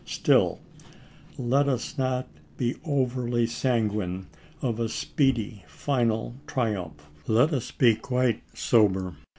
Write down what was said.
Still, let us not be over sanguine of a speedy, final to Jamesc. triumph. Let us be quite sober.